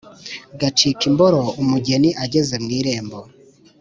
gacike imboro umugeni ageze mu irembo •